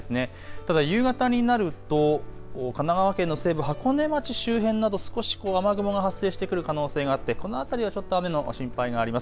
ただ夕方になると神奈川県の西部、箱根町周辺など少し雨雲が発生してくる可能性があってこの辺りはちょっと雨の心配があります。